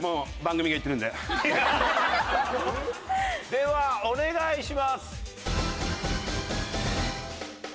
ではお願いします！